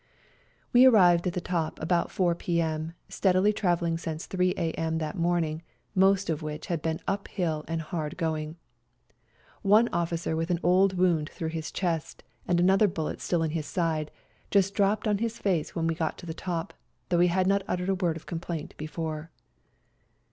We arrived at the top about 4 p.m., steady travelling since 3 a.m. that morning, most of which had been uphill and hard going. One officer with an old wound through his chest, and another bullet still in his side, just dropped on his face when we got to the top, though he had not uttered a word of complaint before.